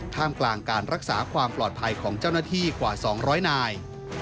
ท่ามกลางการรักษาความปลอดภัยของเจ้าหน้าที่กว่า๒๐๐นาย